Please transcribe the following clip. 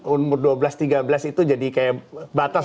umur dua belas tiga belas itu jadi kayak batas